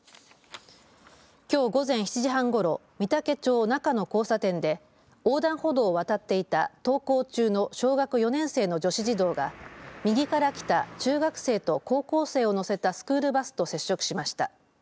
きょう午前７時半ごろ御嵩町なかの交差点で横断歩道を渡っていた登校中の小学４年生の女子児童が右から来た中学生と高校生を乗せたスクールバスと接触しました。